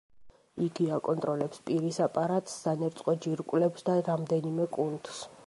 იგი აკონტროლებს პირის აპარატს, სანერწყვე ჯირკვლებს და რამდენიმე კუნთს.